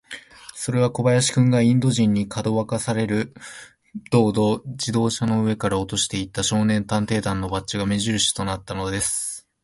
それは小林君が、インド人に、かどわかされる道々、自動車の上から落としていった、少年探偵団のバッジが目じるしとなったのです。